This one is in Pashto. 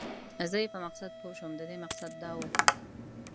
زه یې په مقصد پوه شوم، د دې مقصد دا و.